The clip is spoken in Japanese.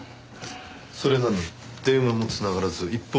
それなのに電話も繋がらず一方